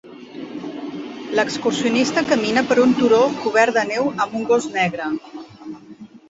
L'excursionista camina per un turó cobert de neu amb un gos negre.